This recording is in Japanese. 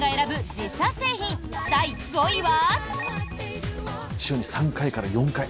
自社製品第５位は。